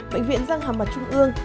bệnh viện giang hà mặt trung ương